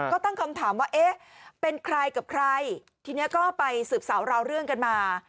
ก็ตั้งคำถามว่าเอ๊ะเป็นใครกับใครทีนี้ก็ไปสืบสาวราวเรื่องกันมา